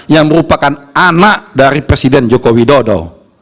yang merupakan anak dari presiden joko widodo